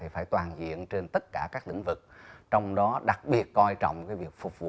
phải toàn diện trên tất cả các lĩnh vực trong đó đặc biệt coi trọng việc phục vụ